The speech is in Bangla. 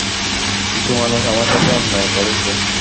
কিছু মানুষ আমার সাথে অন্যায় করেছে।